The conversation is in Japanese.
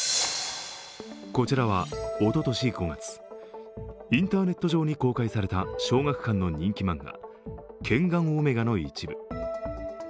こちらは、おととし５月、インターネット上に公開された小学館の人気漫画「ケンガンオメガ」の一部。